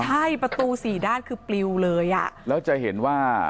ใช่ประตูสี่ด้านคือปลิวเลยอ่ะแล้วจะเห็นว่า